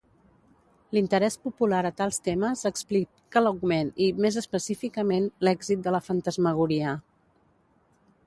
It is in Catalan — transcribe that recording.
L'interès popular a tals temes explica l'augment i, més específicament, l'èxit de la fantasmagoria.